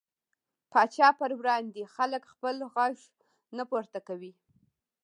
پاچا پر وړاندې خلک خپل غږ نه پورته کوي .